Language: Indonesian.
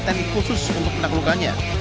teknik khusus untuk menaklukannya